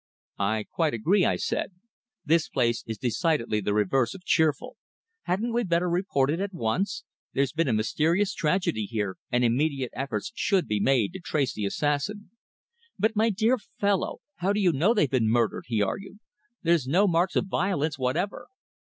"I quite agree," I said, "this place is decidedly the reverse of cheerful. Hadn't we better report at once? There's been a mysterious tragedy here, and immediate efforts should be made to trace the assassin." "But, my dear fellow, how do you know they've been murdered?" he argued. "There's no marks of violence whatever."